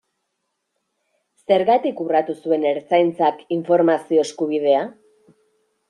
Zergatik urratu zuen Ertzaintzak informazio eskubidea?